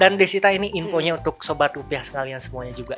dan desita ini infonya untuk sobat rupiah sekalian semuanya juga